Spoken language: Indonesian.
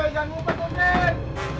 hei jangan lupa nurdin